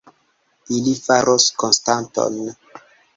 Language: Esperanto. Ili faros konstaton.